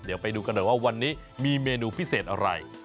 เดี๋ยวไปดูกันหน่อยว่าวันนี้มีเมนูพิเศษอะไร